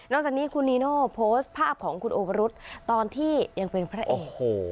จากนี้คุณนีโน่โพสต์ภาพของคุณโอวรุษตอนที่ยังเป็นพระเอก